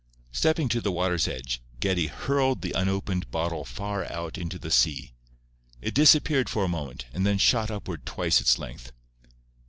Stepping to the water's edge, Geddie hurled the unopened bottle far out into the sea. It disappeared for a moment, and then shot upward twice its length.